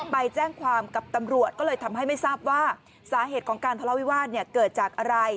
ไปแจ้งความกับตำรวจก็เลยทำให้ไม่ทราบว่าสาเหตุของการทะเลาวิวาสเกิดจากอะไร